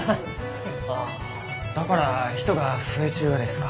あだから人が増えちゅうがですか？